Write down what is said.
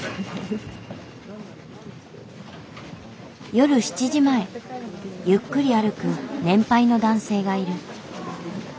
夜７時前ゆっくり歩く年配の男性がいる。